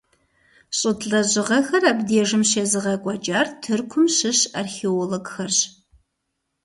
ЩӀытӀ лэжьыгъэхэр абдежым щезыгъэкӀуэкӀар Тыркум щыщ археологхэрщ.